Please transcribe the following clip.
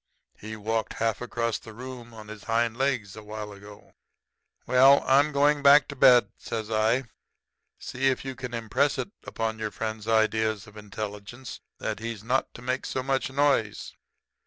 He walked half across the room on his hind legs a while ago.' "'Well, I'm going back to bed,' says I. 'See if you can impress it upon your friend's ideas of intelligence that he's not to make so much noise.'